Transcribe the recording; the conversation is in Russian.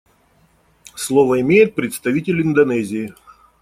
Слово имеет представитель Индонезии.